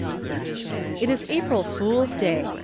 It is April Fool's Day.